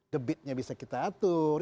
debitnya bisa kita atur